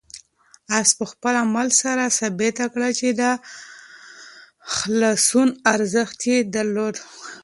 آس په خپل عمل سره ثابته کړه چې د خلاصون ارزښت یې درلود.